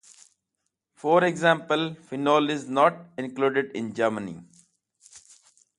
For example, phenol is not included in Germany.